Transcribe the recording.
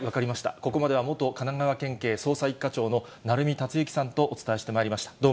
ここまでは元神奈川県警捜査一課長の鳴海達之さんとお伝えしてまかしこく食べたいうわ！